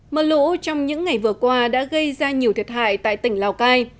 mờ lũ trong những ngày vừa qua đã gây ra nhiều thiệt hại tại tỉnh lào cai